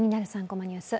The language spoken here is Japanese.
３コマニュース」